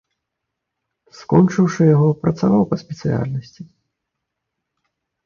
Скончыўшы яго, працаваў па спецыяльнасці.